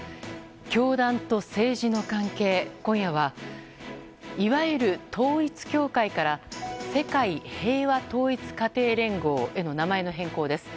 教団と政治の関係、今夜はいわゆる統一教会から世界平和統一家庭連合への名前の変更です。